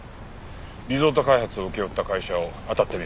リゾート開発を請け負った会社を当たってみる。